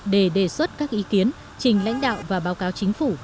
để đề xuất các ý kiến trình lãnh đạo và báo cáo chính phủ